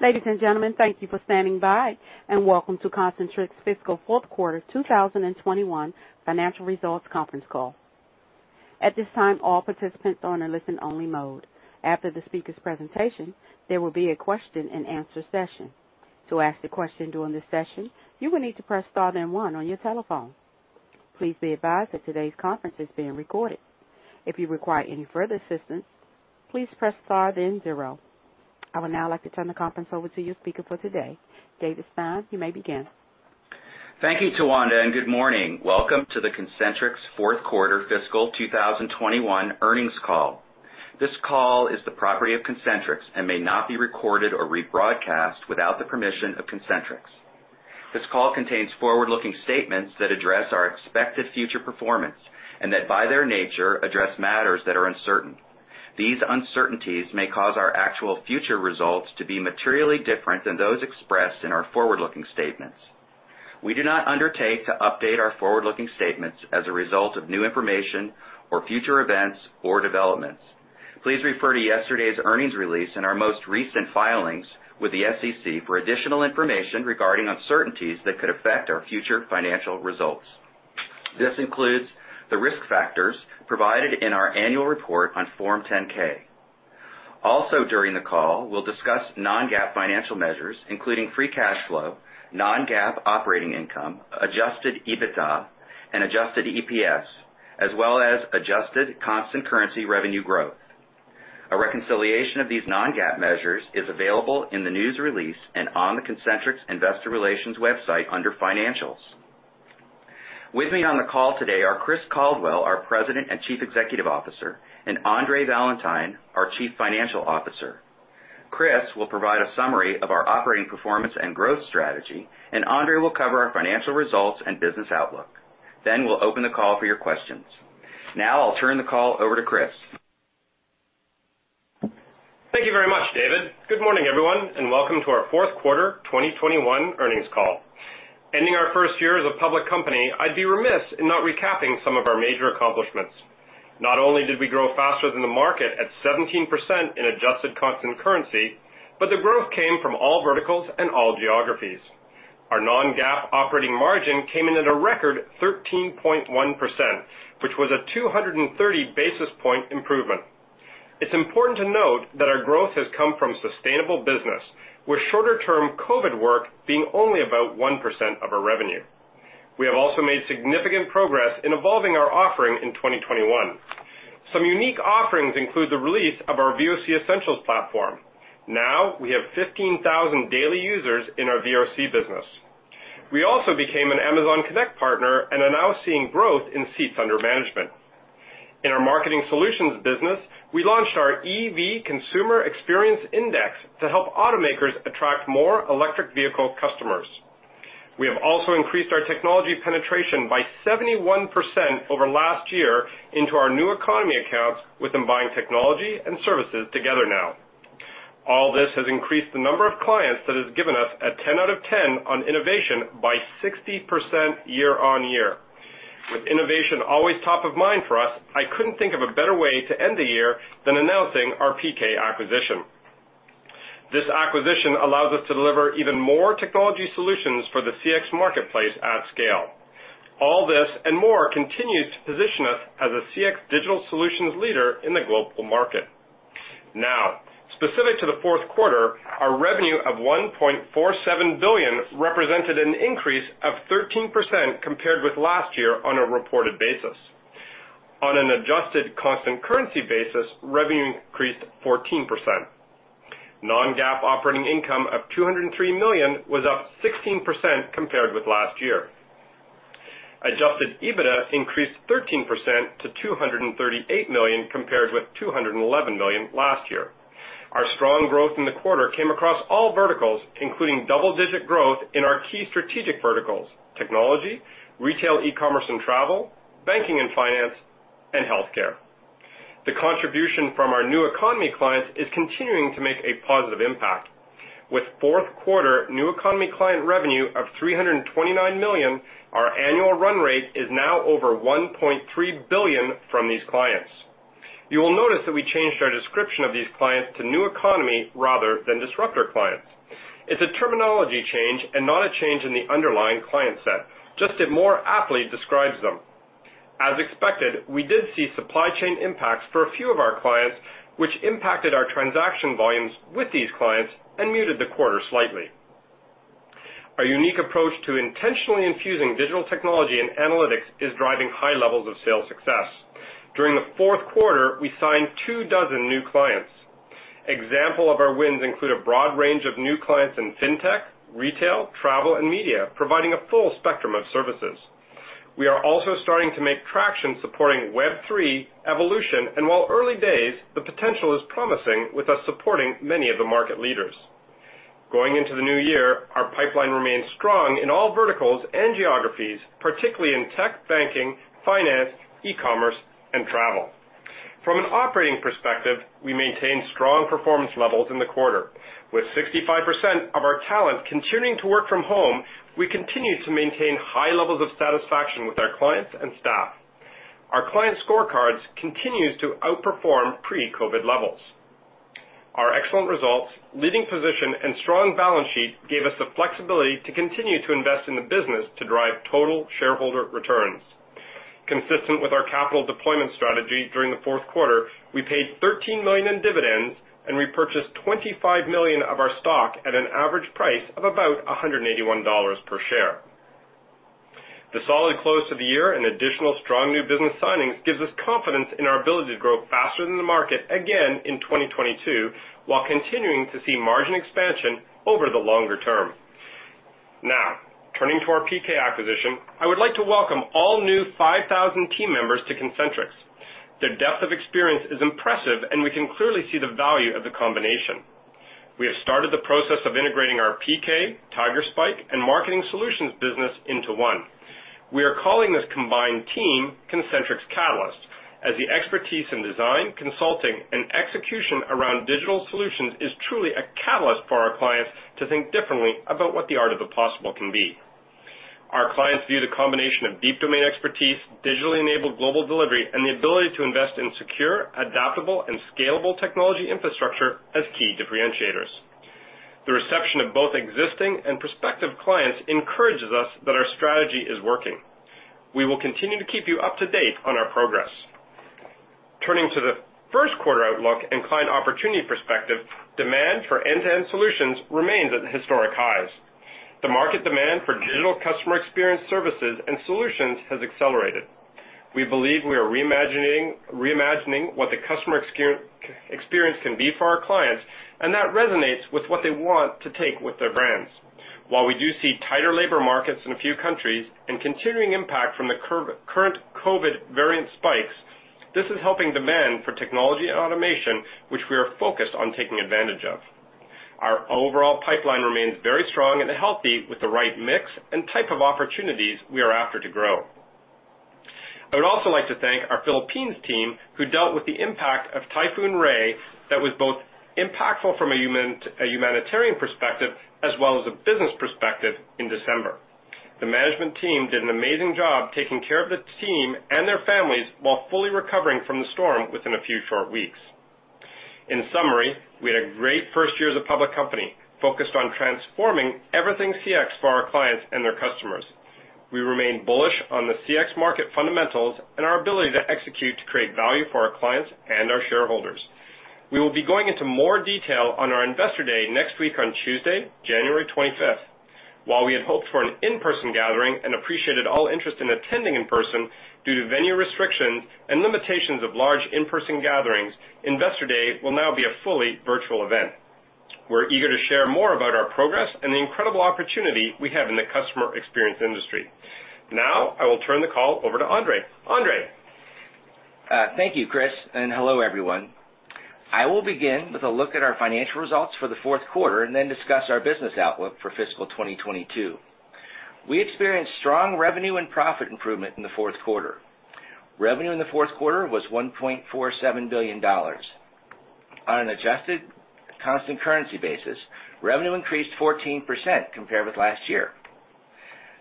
Ladies and gentlemen, thank you for standing by, and welcome to Concentrix Fiscal Fourth Quarter 2021 Financial Results Conference Call. At this time, all participants are in listen-only mode. After the speakers' presentation, there will be a question-and-answer session. To ask a question during this session, you will need to press star then one on your telephone. Please be advised that today's conference is being recorded. If you require any further assistance, please press star then zero. I would now like to turn the conference over to your speaker for today. David Stein, you may begin. Thank you, Tawanda, and good morning. Welcome to the Concentrix Fourth Quarter Fiscal 2021 Earnings Call. This call is the property of Concentrix and may not be recorded or rebroadcast without the permission of Concentrix. This call contains forward-looking statements that address our expected future performance and that, by their nature, address matters that are uncertain. These uncertainties may cause our actual future results to be materially different than those expressed in our forward-looking statements. We do not undertake to update our forward-looking statements as a result of new information or future events or developments. Please refer to yesterday's earnings release and our most recent filings with the SEC for additional information regarding uncertainties that could affect our future financial results. This includes the risk factors provided in our annual report on Form 10-K. Also, during the call, we'll discuss non-GAAP financial measures, including free cash flow, non-GAAP operating income, adjusted EBITDA, and adjusted EPS, as well as adjusted constant currency revenue growth. A reconciliation of these non-GAAP measures is available in the news release and on the Concentrix Investor Relations website under Financials. With me on the call today are Chris Caldwell, our President and Chief Executive Officer, and Andre Valentine, our Chief Financial Officer. Chris will provide a summary of our operating performance and growth strategy, and Andre will cover our financial results and business outlook. Then we'll open the call for your questions. Now I'll turn the call over to Chris. Thank you very much, David. Good morning, everyone, and welcome to our fourth quarter 2021 earnings call. Ending our first year as a public company, I'd be remiss in not recapping some of our major accomplishments. Not only did we grow faster than the market at 17% in adjusted constant currency, but the growth came from all verticals and all geographies. Our non-GAAP operating margin came in at a record 13.1%, which was a 230 basis point improvement. It's important to note that our growth has come from sustainable business, with shorter-term COVID work being only about 1% of our revenue. We have also made significant progress in evolving our offering in 2021. Some unique offerings include the release of our VoC Essentials platform. Now we have 15,000 daily users in our VoC business. We also became an Amazon Connect partner and are now seeing growth in seats under management. In our marketing solutions business, we launched our EV Consumer Experience Index to help automakers attract more electric vehicle customers. We have also increased our technology penetration by 71% over last year into our new economy accounts with them buying technology and services together now. All this has increased the number of clients that has given us a 10 out of 10 on innovation by 60% year-on-year. With innovation always top of mind for us, I couldn't think of a better way to end the year than announcing our PK acquisition. This acquisition allows us to deliver even more technology solutions for the CX marketplace at scale. All this and more continues to position us as a CX digital solutions leader in the global market. Now, specific to the fourth quarter, our revenue of $1.47 billion represented an increase of 13% compared with last year on a reported basis. On an adjusted constant currency basis, revenue increased 14%. non-GAAP operating income of $203 million was up 16% compared with last year. Adjusted EBITDA increased 13% to $238 million compared with $211 million last year. Our strong growth in the quarter came across all verticals, including double-digit growth in our key strategic verticals, technology, retail, e-commerce and travel, banking and finance, and healthcare. The contribution from our new economy clients is continuing to make a positive impact. With fourth quarter new economy client revenue of $329 million, our annual run rate is now over $1.3 billion from these clients. You will notice that we changed our description of these clients to new economy rather than disruptor clients. It's a terminology change and not a change in the underlying client set, just, it more aptly describes them. As expected, we did see supply chain impacts for a few of our clients, which impacted our transaction volumes with these clients and muted the quarter slightly. Our unique approach to intentionally infusing digital technology and analytics is driving high levels of sales success. During the fourth quarter, we signed 24 new clients. Example of our wins include a broad range of new clients in fintech, retail, travel, and media, providing a full spectrum of services. We are also starting to make traction supporting Web3 evolution, and while it's early days, the potential is promising with us supporting many of the market leaders. Going into the new year, our pipeline remains strong in all verticals and geographies, particularly in tech, banking, finance, e-commerce, and travel. From an operating perspective, we maintain strong performance levels in the quarter. With 65% of our talent continuing to work from home, we continue to maintain high levels of satisfaction with our clients and staff. Our client scorecards continues to outperform pre-COVID levels. Our excellent results, leading position, and strong balance sheet gave us the flexibility to continue to invest in the business to drive total shareholder returns. Consistent with our capital deployment strategy during the fourth quarter, we paid $13 million in dividends and repurchased $25 million of our stock at an average price of about $181 per share. The solid close of the year and additional strong new business signings gives us confidence in our ability to grow faster than the market again in 2022, while continuing to see margin expansion over the longer term. Now, turning to our PK acquisition, I would like to welcome all new 5,000 team members to Concentrix. Their depth of experience is impressive, and we can clearly see the value of the combination. We have started the process of integrating our PK, Tigerspike, and marketing solutions business into one. We are calling this combined team Concentrix Catalyst. As the expertise in design, consulting, and execution around digital solutions is truly a catalyst for our clients to think differently about what the art of the possible can be. Our clients view the combination of deep domain expertise, digitally enabled global delivery, and the ability to invest in secure, adaptable, and scalable technology infrastructure as key differentiators. The reception of both existing and prospective clients encourages us that our strategy is working. We will continue to keep you up to date on our progress. Turning to the first quarter outlook and client opportunity perspective, demand for end-to-end solutions remains at historic highs. The market demand for digital customer experience services and solutions has accelerated. We believe we are reimagining what the customer experience can be for our clients, and that resonates with what they want to take with their brands. While we do see tighter labor markets in a few countries and continuing impact from the current COVID variant spikes, this is helping demand for technology and automation, which we are focused on taking advantage of. Our overall pipeline remains very strong and healthy with the right mix and type of opportunities we are after to grow. I would also like to thank our Philippines team, who dealt with the impact of Typhoon Rai that was both impactful from a humanitarian perspective as well as a business perspective in December. The management team did an amazing job taking care of the team and their families while fully recovering from the storm within a few short weeks. In summary, we had a great first year as a public company, focused on transforming everything CX for our clients and their customers. We remain bullish on the CX market fundamentals and our ability to execute to create value for our clients and our shareholders. We will be going into more detail on our Investor Day next week on Tuesday, January 25. While we had hoped for an in-person gathering and appreciated all interest in attending in person, due to venue restrictions and limitations of large in-person gatherings, Investor Day will now be a fully virtual event. We're eager to share more about our progress and the incredible opportunity we have in the customer experience industry. Now I will turn the call over to Andre. Andre? Thank you, Chris, and hello, everyone. I will begin with a look at our financial results for the fourth quarter and then discuss our business outlook for fiscal 2022. We experienced strong revenue and profit improvement in the fourth quarter. Revenue in the fourth quarter was $1.47 billion. On an adjusted constant currency basis, revenue increased 14% compared with last year.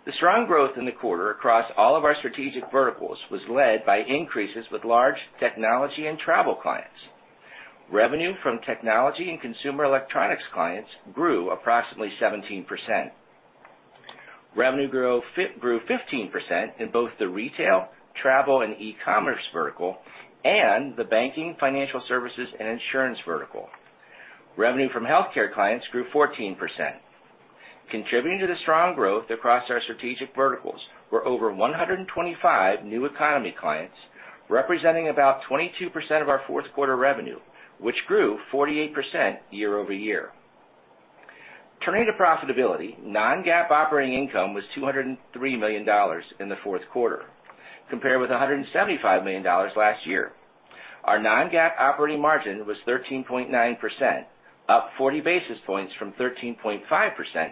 The strong growth in the quarter across all of our strategic verticals was led by increases with large technology and travel clients. Revenue from technology and consumer electronics clients grew approximately 17%. Revenue grew 15% in both the retail, travel, and e-commerce vertical and the banking, financial services, and insurance vertical. Revenue from healthcare clients grew 14%. Contributing to the strong growth across our strategic verticals were over 125 new economy clients, representing about 22% of our fourth quarter revenue, which grew 48% year-over-year. Turning to profitability, non-GAAP operating income was $203 million in the fourth quarter, compared with $175 million last year. Our non-GAAP operating margin was 13.9%, up 40 basis points from 13.5%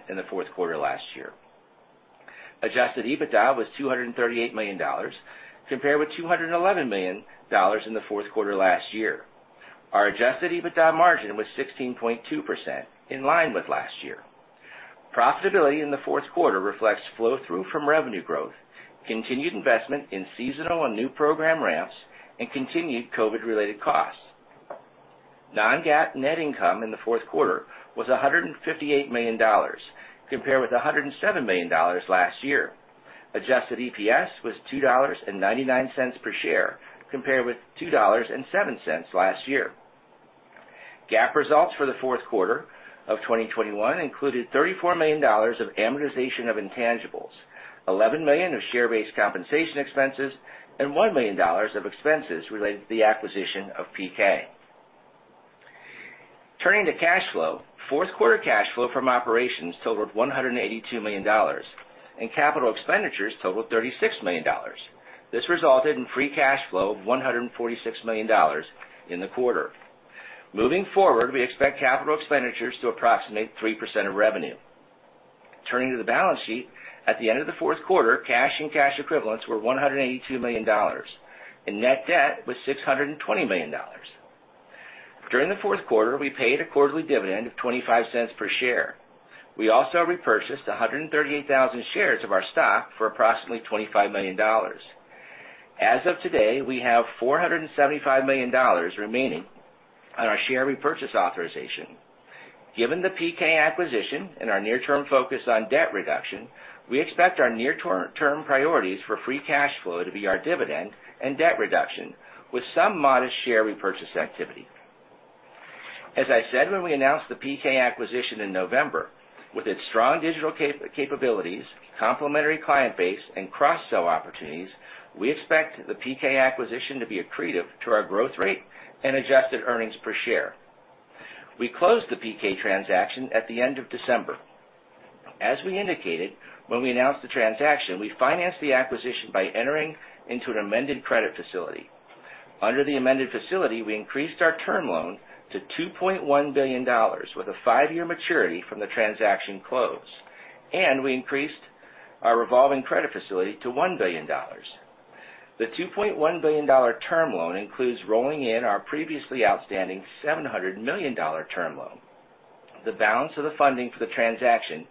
in the fourth quarter last year. Adjusted EBITDA was $238 million, compared with $211 million in the fourth quarter last year. Our adjusted EBITDA margin was 16.2%, in line with last year. Profitability in the fourth quarter reflects flow-through from revenue growth, continued investment in seasonal and new program ramps, and continued COVID-related costs. Non-GAAP net income in the fourth quarter was $158 million, compared with $107 million last year. Adjusted EPS was $2.99 per share, compared with $2.07 last year. GAAP results for the fourth quarter of 2021 included $34 million of amortization of intangibles, $11 million of share-based compensation expenses, and $1 million of expenses related to the acquisition of PK. Turning to cash flow. Fourth quarter cash flow from operations totaled $182 million, and capital expenditures totaled $36 million. This resulted in free cash flow of $146 million in the quarter. Moving forward, we expect capital expenditures to approximate 3% of revenue. Turning to the balance sheet. At the end of the fourth quarter, cash and cash equivalents were $182 million, and net debt was $620 million. During the fourth quarter, we paid a quarterly dividend of $0.25 per share. We also repurchased 138,000 shares of our stock for approximately $25 million. As of today, we have $475 million remaining on our share repurchase authorization. Given the PK acquisition and our near-term focus on debt reduction, we expect our near-term priorities for free cash flow to be our dividend and debt reduction, with some modest share repurchase activity. As I said when we announced the PK acquisition in November, with its strong digital capabilities, complementary client base, and cross-sell opportunities, we expect the PK acquisition to be accretive to our growth rate and adjusted earnings per share. We closed the PK transaction at the end of December. As we indicated when we announced the transaction, we financed the acquisition by entering into an amended credit facility. Under the amended facility, we increased our term loan to $2.1 billion with a 5-year maturity from the transaction close, and we increased our revolving credit facility to $1 billion. The $2.1 billion term loan includes rolling in our previously outstanding $700 million term loan. The balance of the funding for the transaction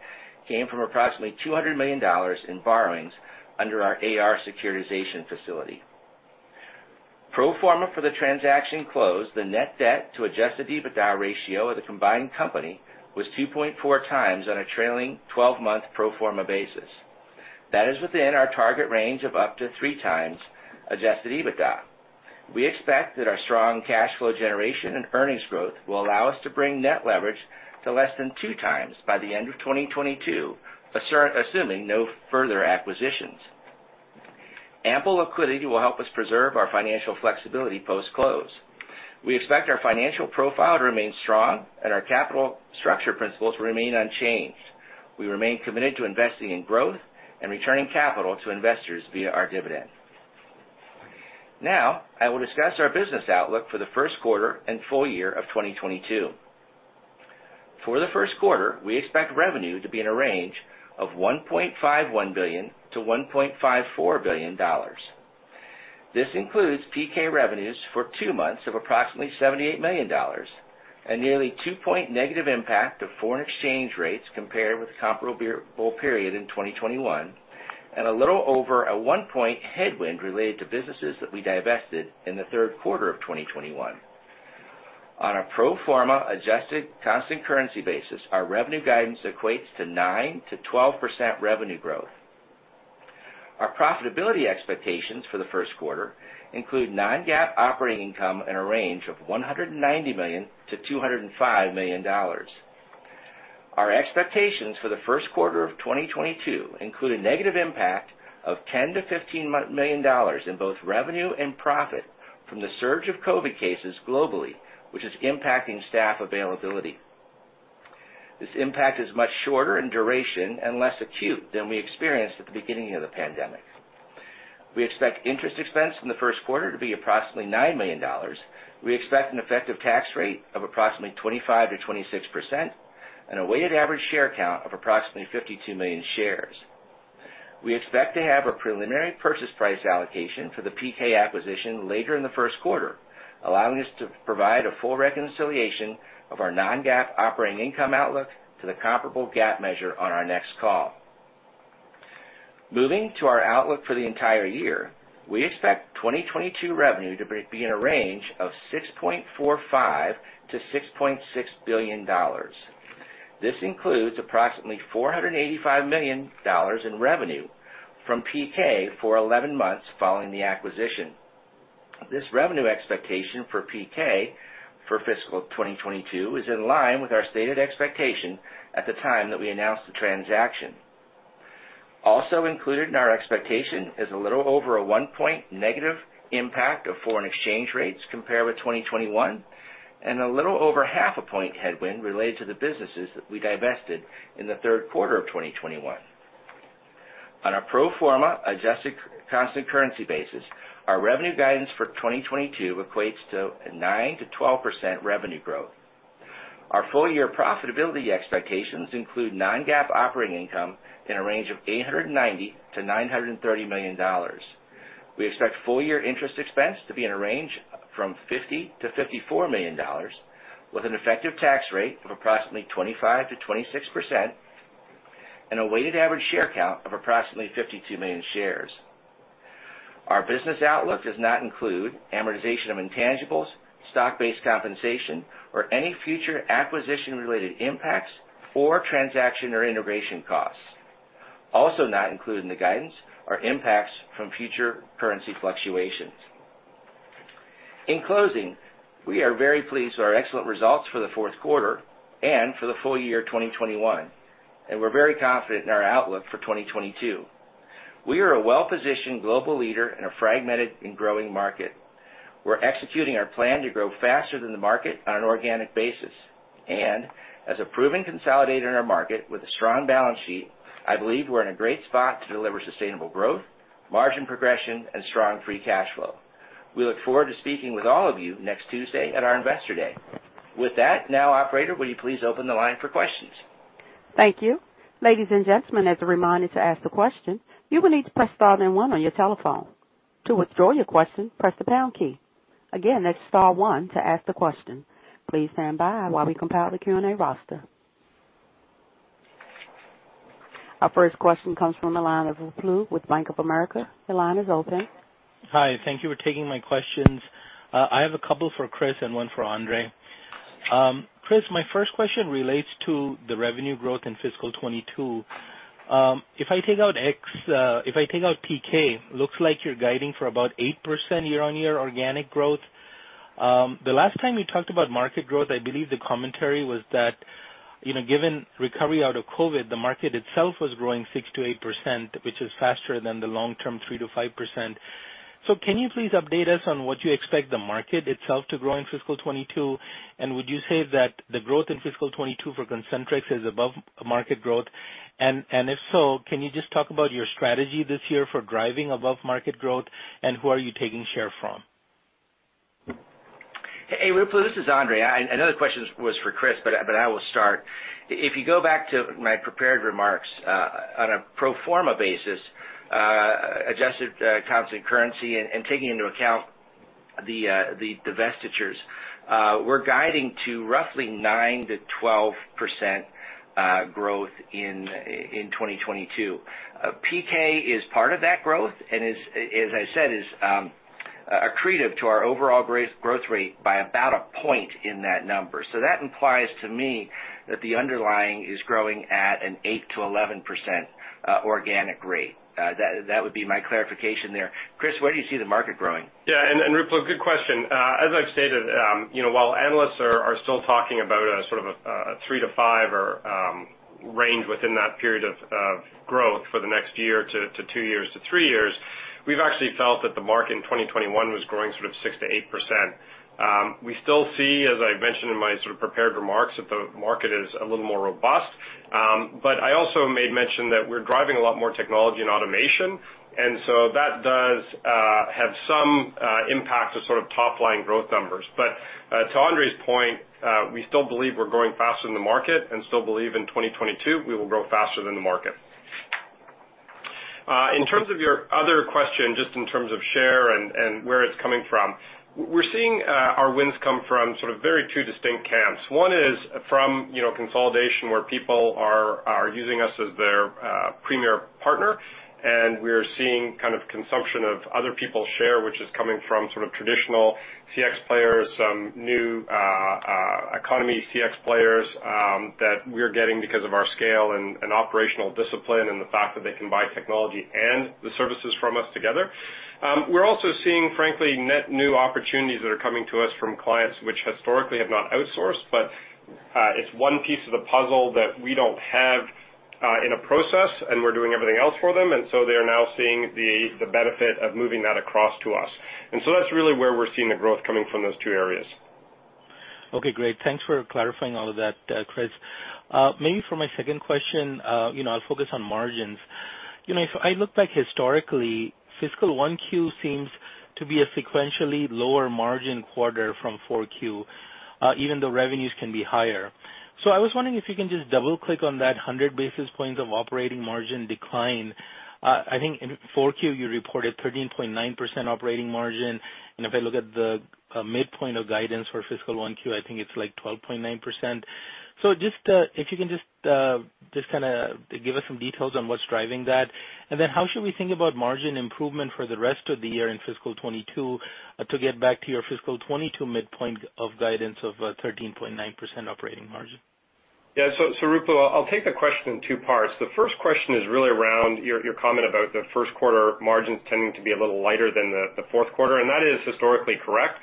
came from approximately $200 million in borrowings under our AR securitization facility. Pro forma for the transaction closed, the net debt to adjusted EBITDA ratio of the combined company was 2.4 times on a trailing 12-month pro forma basis. That is within our target range of up to 3 times adjusted EBITDA. We expect that our strong cash flow generation and earnings growth will allow us to bring net leverage to less than 2x by the end of 2022, assuming no further acquisitions. Ample liquidity will help us preserve our financial flexibility post-close. We expect our financial profile to remain strong and our capital structure principles to remain unchanged. We remain committed to investing in growth and returning capital to investors via our dividend. Now, I will discuss our business outlook for the first quarter and full year of 2022. For the first quarter, we expect revenue to be in a range of $1.51 billion-$1.54 billion. This includes PK revenues for two months of approximately $78 million and nearly 2-point negative impact of foreign exchange rates compared with the comparable period in 2021, and a little over a 1-point headwind related to businesses that we divested in the third quarter of 2021. On a pro forma adjusted constant currency basis, our revenue guidance equates to 9%-12% revenue growth. Our profitability expectations for the first quarter include non-GAAP operating income in a range of $190 million-$205 million. Our expectations for the first quarter of 2022 include a negative impact of $10 million-$15 million in both revenue and profit from the surge of COVID cases globally, which is impacting staff availability. This impact is much shorter in duration and less acute than we experienced at the beginning of the pandemic. We expect interest expense in the first quarter to be approximately $9 million. We expect an effective tax rate of approximately 25%-26% and a weighted average share count of approximately 52 million shares. We expect to have a preliminary purchase price allocation for the PK acquisition later in the first quarter, allowing us to provide a full reconciliation of our non-GAAP operating income outlook to the comparable GAAP measure on our next call. Moving to our outlook for the entire year, we expect 2022 revenue to be in a range of $6.45 billion-$6.6 billion. This includes approximately $485 million in revenue from PK for eleven months following the acquisition. This revenue expectation for PK for fiscal 2022 is in line with our stated expectation at the time that we announced the transaction. Also included in our expectation is a little over a 1-point negative impact of foreign exchange rates compared with 2021, and a little over half a point headwind related to the businesses that we divested in the third quarter of 2021. On a pro forma adjusted constant currency basis, our revenue guidance for 2022 equates to a 9%-12% revenue growth. Our full year profitability expectations include non-GAAP operating income in a range of $890 million-$930 million. We expect full year interest expense to be in a range from $50 million-$54 million with an effective tax rate of approximately 25%-26% and a weighted average share count of approximately 52 million shares. Our business outlook does not include amortization of intangibles, stock-based compensation, or any future acquisition-related impacts or transaction or integration costs. Also not included in the guidance are impacts from future currency fluctuations. In closing, we are very pleased with our excellent results for the fourth quarter and for the full year 2021, and we're very confident in our outlook for 2022. We are a well-positioned global leader in a fragmented and growing market. We're executing our plan to grow faster than the market on an organic basis. As a proven consolidator in our market with a strong balance sheet, I believe we're in a great spot to deliver sustainable growth, margin progression, and strong free cash flow. We look forward to speaking with all of you next Tuesday at our Investor Day. With that, now, operator, will you please open the line for questions? Thank you. Ladies and gentlemen, as a reminder to ask the question, you will need to press star then one on your telephone. To withdraw your question, press the pound key. Again, that's star one to ask the question. Please stand by while we compile the Q&A roster. Our first question comes from the line of Ruplu with Bank of America. The line is open. Hi. Thank you for taking my questions. I have a couple for Chris and one for Andre. Chris, my first question relates to the revenue growth in fiscal 2022. If I take out PK, looks like you're guiding for about 8% year-over-year organic growth. The last time you talked about market growth, I believe the commentary was that, you know, given recovery out of COVID, the market itself was growing 6%-8%, which is faster than the long-term 3%-5%. Can you please update us on what you expect the market itself to grow in fiscal 2022? And would you say that the growth in fiscal 2022 for Concentrix is above market growth? If so, can you just talk about your strategy this year for driving above market growth, and who are you taking share from? Hey, Ruplu. This is Andre. I know the question was for Chris, but I will start. If you go back to my prepared remarks, on a pro forma basis, adjusted constant currency and taking into account the divestitures, we're guiding to roughly 9%-12% growth in 2022. PK is part of that growth, and as I said, is accretive to our overall growth rate by about a point in that number. That implies to me that the underlying is growing at an 8%-11% organic rate. That would be my clarification there. Chris, where do you see the market growing? Yeah, Ruplu, good question. As I've stated, you know, while analysts are still talking about a sort of a 3%-5% range within that period of growth for the next year to 2 years to 3 years, we've actually felt that the market in 2021 was growing sort of 6%-8%. We still see, as I mentioned in my sort of prepared remarks, that the market is a little more robust. I also made mention that we're driving a lot more technology and automation, and so that does have some impact to sort of top-line growth numbers. To Andre's point, we still believe we're growing faster than the market and still believe in 2022 we will grow faster than the market. In terms of your other question, just in terms of share and where it's coming from, we're seeing our wins come from sort of two very distinct camps. One is from, you know, consolidation, where people are using us as their premier partner, and we're seeing kind of consumption of other people's share, which is coming from sort of traditional CX players, some new economy CX players, that we're getting because of our scale and operational discipline and the fact that they can buy technology and the services from us together. We're also seeing, frankly, net new opportunities that are coming to us from clients which historically have not outsourced, but it's one piece of the puzzle that we don't have in a process, and we're doing everything else for them, and so they are now seeing the benefit of moving that across to us. That's really where we're seeing the growth coming from those two areas. Okay, great. Thanks for clarifying all of that, Chris. Maybe for my second question, you know, I'll focus on margins. You know, if I look back historically, fiscal 1Q seems to be a sequentially lower margin quarter from 4Q, even though revenues can be higher. I was wondering if you can just double-click on that 100 basis points of operating margin decline. I think in 4Q, you reported 13.9% operating margin, and if I look at the midpoint of guidance for fiscal 1Q, I think it's like 12.9%. Just if you can just kinda give us some details on what's driving that. How should we think about margin improvement for the rest of the year in fiscal 2022 to get back to your fiscal 2022 midpoint of guidance of 13.9% operating margin? Yeah, Ruplu, I'll take the question in two parts. The first question is really around your comment about the first quarter margins tending to be a little lighter than the fourth quarter, and that is historically correct.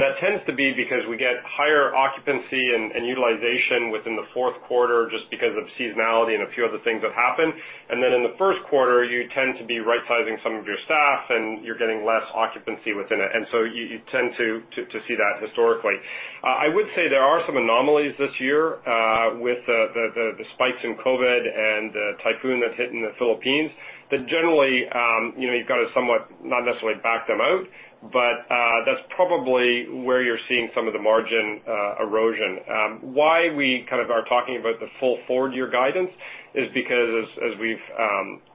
That tends to be because we get higher occupancy and utilization within the fourth quarter just because of seasonality and a few other things that happen. Then in the first quarter, you tend to be right-sizing some of your staff, and you're getting less occupancy within it. You tend to see that historically. I would say there are some anomalies this year with the spikes in COVID and the typhoon that hit in the Philippines that generally you know you've got to somewhat not necessarily back them out but that's probably where you're seeing some of the margin erosion. Why we kind of are talking about the full forward-year guidance is because as we've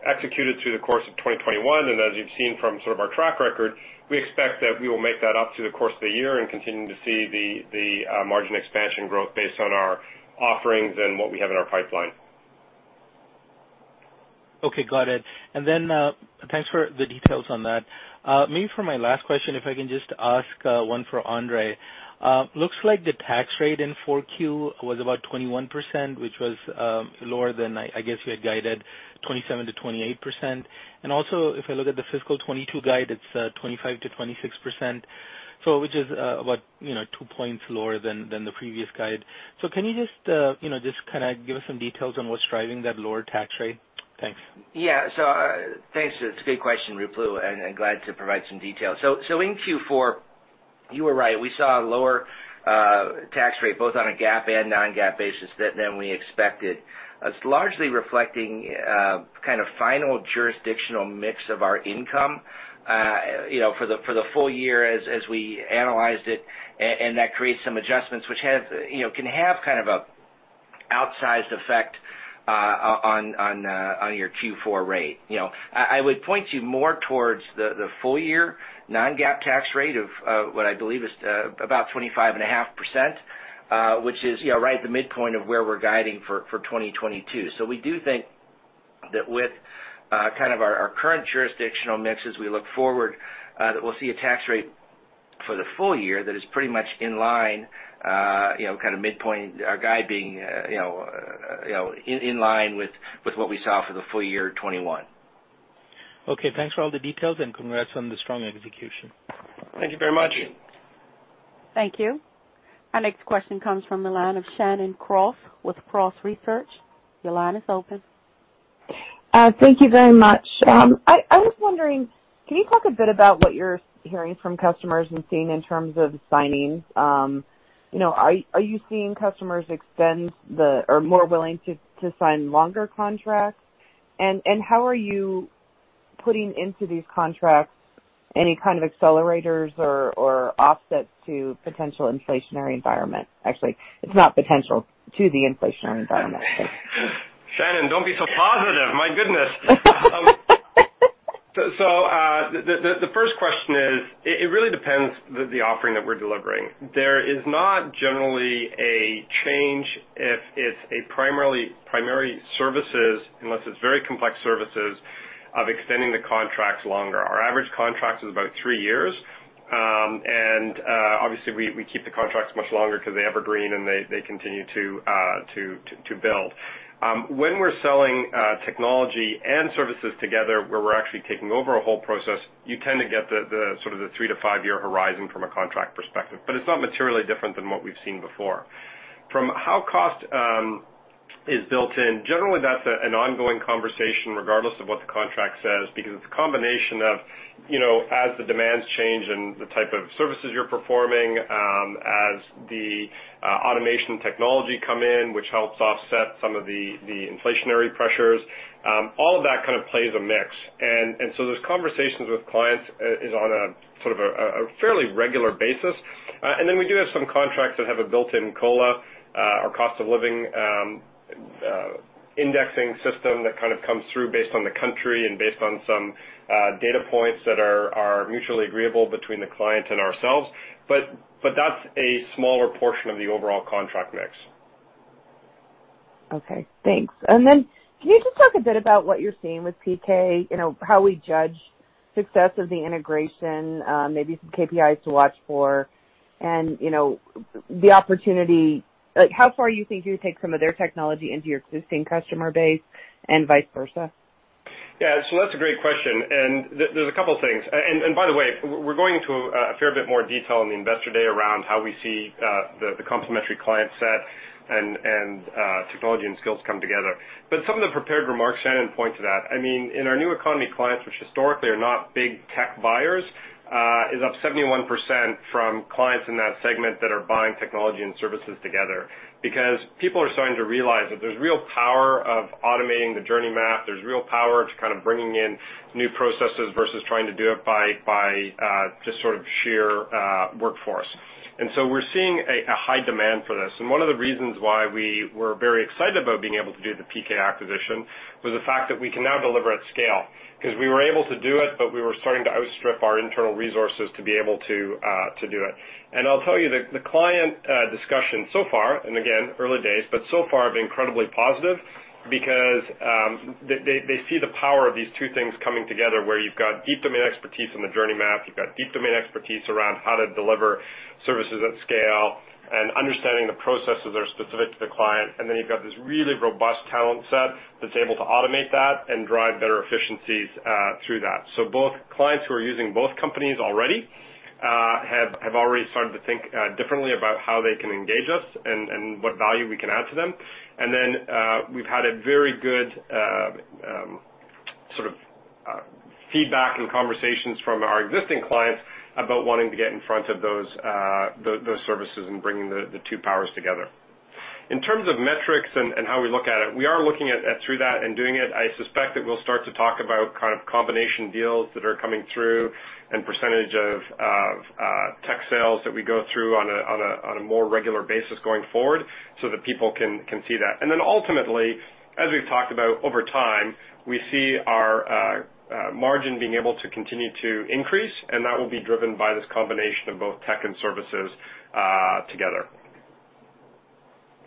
executed through the course of 2021 and as you've seen from sort of our track record we expect that we will make that up through the course of the year and continue to see the margin expansion growth based on our offerings and what we have in our pipeline. Okay, got it. Thanks for the details on that. Maybe for my last question, if I can just ask one for Andre. Looks like the tax rate in 4Q was about 21%, which was lower than I guess you had guided, 27%-28%. If I look at the fiscal 2022 guide, it's 25%-26%, which is you know two points lower than the previous guide. Can you just kinda give us some details on what's driving that lower tax rate? Thanks. Yeah. Thanks. It's a good question, Ruplu, and I'm glad to provide some detail. In Q4, you were right. We saw a lower tax rate, both on a GAAP and non-GAAP basis than we expected. It's largely reflecting kind of final jurisdictional mix of our income, you know, for the full year as we analyzed it, and that creates some adjustments which have, you know, can have kind of a Outsized effect on your Q4 rate. You know, I would point you more towards the full year non-GAAP tax rate of what I believe is about 25.5%, which is, you know, right at the midpoint of where we're guiding for 2022. We do think that with kind of our current jurisdictional mix as we look forward, that we'll see a tax rate for the full year that is pretty much in line, you know, kind of midpoint guiding, you know, in line with what we saw for the full year 2021. Okay, thanks for all the details, and congrats on the strong execution. Thank you very much. Thank you. Our next question comes from the line of Shannon Cross with Cross Research. Your line is open. Thank you very much. I was wondering, can you talk a bit about what you're hearing from customers and seeing in terms of signings? You know, are you seeing customers extend or more willing to sign longer contracts? How are you putting into these contracts any kind of accelerators or offsets to potential inflationary environment? Actually, it's not potential to the inflationary environment. Shannon, don't be so positive. My goodness. The first question is, it really depends on the offering that we're delivering. There is not generally a change if it's primary services, unless it's very complex services, of extending the contracts longer. Our average contract is about 3 years. Obviously we keep the contracts much longer because they're evergreen and they continue to build. When we're selling technology and services together, where we're actually taking over a whole process, you tend to get the sort of 3-5-year horizon from a contract perspective. It's not materially different than what we've seen before. From how cost is built in, generally that's an ongoing conversation regardless of what the contract says, because it's a combination of, you know, as the demands change and the type of services you're performing, as the automation technology come in, which helps offset some of the inflationary pressures, all of that kind of plays a mix. Those conversations with clients is on a sort of fairly regular basis. We do have some contracts that have a built-in COLA or cost of living indexing system that kind of comes through based on the country and based on some data points that are mutually agreeable between the client and ourselves, but that's a smaller portion of the overall contract mix. Okay, thanks. Can you just talk a bit about what you're seeing with PK? You know, how we judge success of the integration, maybe some KPIs to watch for, and, you know, the opportunity, how far you think you take some of their technology into your existing customer base and vice versa? Yeah. That's a great question, and there's a couple things. And by the way, we're going into a fair bit more detail on the Investor Day around how we see the complementary client set and technology and skills come together. Some of the prepared remarks, Shannon, point to that. I mean, our new economy clients, which historically are not big tech buyers, is up 71% from clients in that segment that are buying technology and services together. Because people are starting to realize that there's real power of automating the journey map, there's real power to kind of bringing in new processes versus trying to do it by just sort of sheer workforce. We're seeing a high demand for this. One of the reasons why we were very excited about being able to do the PK acquisition was the fact that we can now deliver at scale. 'Cause we were able to do it, but we were starting to outstrip our internal resources to be able to do it. I'll tell you the client discussion so far, and again, early days, but so far have been incredibly positive because they see the power of these two things coming together, where you've got deep domain expertise in the journey map, you've got deep domain expertise around how to deliver services at scale and understanding the processes that are specific to the client, and then you've got this really robust talent set that's able to automate that and drive better efficiencies through that. Both clients who are using both companies already have already started to think differently about how they can engage us and what value we can add to them. We've had a very good feedback and conversations from our existing clients about wanting to get in front of those services and bringing the two powers together. In terms of metrics and how we look at it, we are looking at through that and doing it. I suspect that we'll start to talk about kind of combination deals that are coming through and percentage of tech sales that we go through on a more regular basis going forward so that people can see that. Ultimately, as we've talked about over time, we see our margin being able to continue to increase, and that will be driven by this combination of both tech and services together.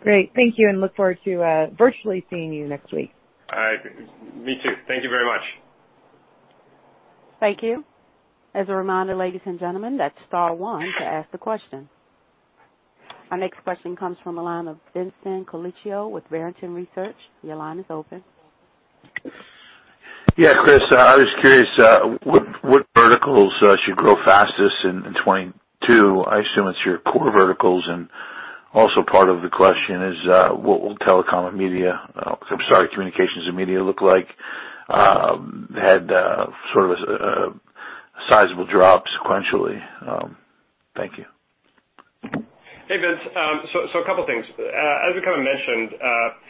Great. Thank you, and look forward to virtually seeing you next week. All right. Me too. Thank you very much. Thank you. As a reminder, ladies and gentlemen, that's star one to ask a question. Our next question comes from the line of Vincent Colicchio with Barrington Research. Your line is open. Yeah, Chris, I was curious what verticals should grow fastest in 2022? I assume it's your core verticals. Also part of the question is what will communications and media look like? Had sort of a sizable drop sequentially. Thank you. Hey, Vince. So a couple things. As we kinda mentioned,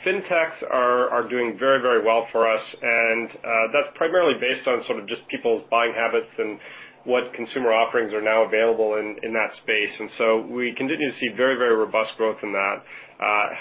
Fintechs are doing very, very well for us, and that's primarily based on sort of just people's buying habits and what consumer offerings are now available in that space. We continue to see very, very robust growth in that.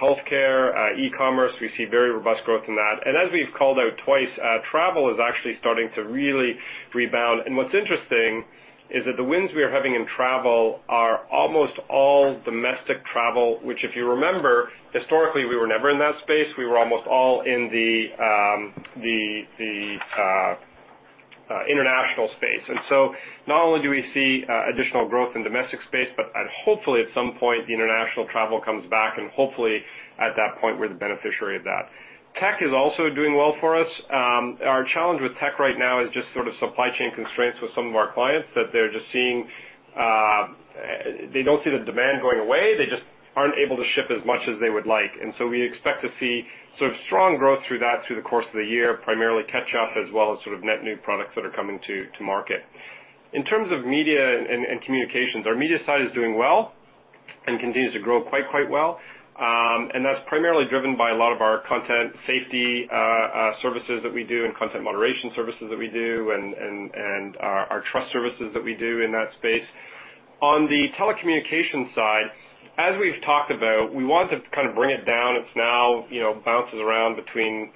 Healthcare, e-commerce, we see very robust growth in that. As we've called out twice, travel is actually starting to really rebound. What's interesting is that the wins we are having in travel are almost all domestic travel, which if you remember, historically, we were never in that space. We were almost all in the international space. Not only do we see additional growth in domestic space, but hopefully at some point, the international travel comes back and hopefully at that point, we're the beneficiary of that. Tech is also doing well for us. Our challenge with tech right now is just sort of supply chain constraints with some of our clients that they're just seeing, they don't see the demand going away, they just aren't able to ship as much as they would like. We expect to see sort of strong growth through that through the course of the year, primarily catch up, as well as sort of net new products that are coming to market. In terms of media and communications, our media side is doing well and continues to grow quite well. That's primarily driven by a lot of our content safety services that we do and content moderation services that we do, and our trust services that we do in that space. On the telecommunications side, as we've talked about, we want to kind of bring it down. It's now, you know, bounces around between-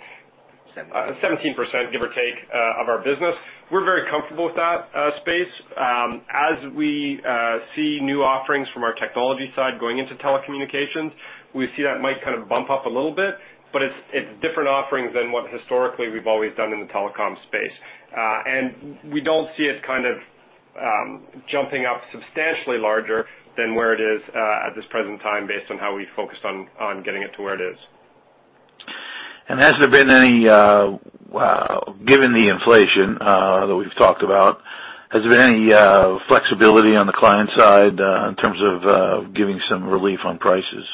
Seventeen. 17%, give or take, of our business. We're very comfortable with that space. As we see new offerings from our technology side going into telecommunications, we see that might kind of bump up a little bit, but it's different offerings than what historically we've always done in the telecom space. We don't see it kind of jumping up substantially larger than where it is at this present time based on how we focused on getting it to where it is. Has there been any flexibility on the client side, in terms of giving some relief on prices, given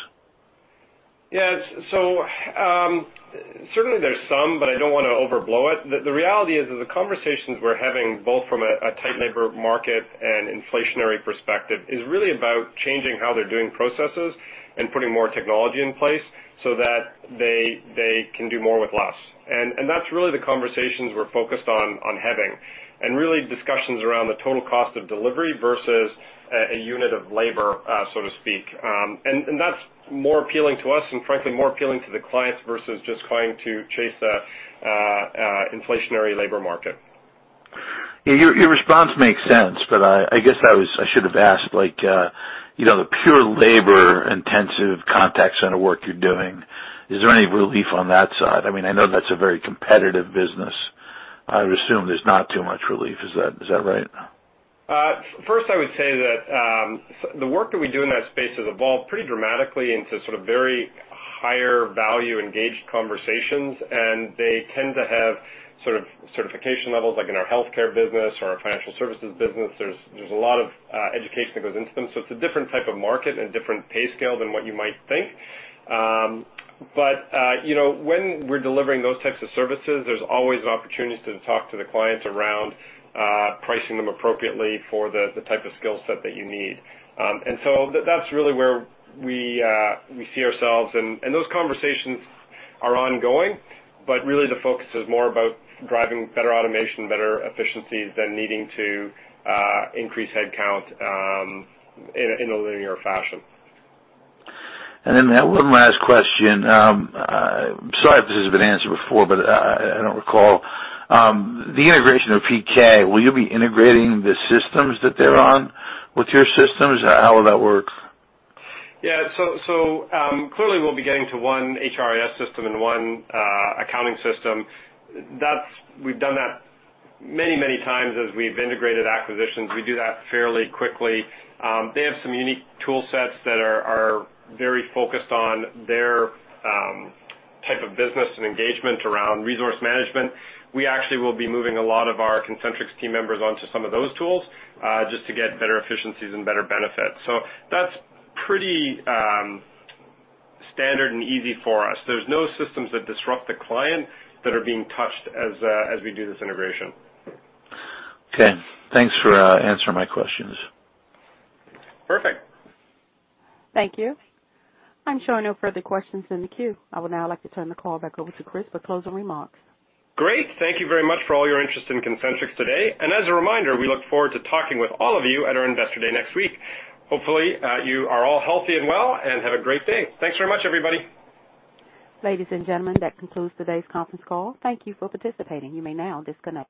the inflation that we've talked about? Yeah. Certainly there's some, but I don't wanna overblow it. The reality is that the conversations we're having both from a tight labor market and inflationary perspective is really about changing how they're doing processes and putting more technology in place so that they can do more with less. That's really the conversations we're focused on having, and really discussions around the total cost of delivery versus a unit of labor, so to speak. That's more appealing to us, and frankly, more appealing to the clients versus just trying to chase the inflationary labor market. Yeah, your response makes sense, but I guess I should have asked like, you know, the pure labor-intensive contact center work you're doing, is there any relief on that side? I mean, I know that's a very competitive business. I would assume there's not too much relief. Is that right? First, I would say that the work that we do in that space has evolved pretty dramatically into sort of very higher value engaged conversations, and they tend to have sort of certification levels like in our healthcare business or our financial services business. There's a lot of education that goes into them. It's a different type of market and different pay scale than what you might think. You know, when we're delivering those types of services, there's always opportunities to talk to the clients around pricing them appropriately for the type of skill set that you need. That's really where we see ourselves. Those conversations are ongoing, but really the focus is more about driving better automation, better efficiencies than needing to increase headcount in a linear fashion. One last question. Sorry if this has been answered before, but I don't recall. The integration of PK, will you be integrating the systems that they're on with your systems? How will that work? Yeah. Clearly we'll be getting to one HRIS system and one accounting system. That's. We've done that many times as we've integrated acquisitions. We do that fairly quickly. They have some unique tool sets that are very focused on their type of business and engagement around resource management. We actually will be moving a lot of our Concentrix team members onto some of those tools just to get better efficiencies and better benefits. That's pretty standard and easy for us. There's no systems that disrupt the client that are being touched as we do this integration. Okay. Thanks for answering my questions. Perfect. Thank you. I'm showing no further questions in the queue. I would now like to turn the call back over to Chris for closing remarks. Great. Thank you very much for all your interest in Concentrix today. As a reminder, we look forward to talking with all of you at our Investor Day next week. Hopefully, you are all healthy and well and have a great day. Thanks very much, everybody. Ladies and gentlemen, that concludes today's conference call. Thank you for participating. You may now disconnect.